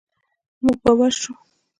موږ به ورسو.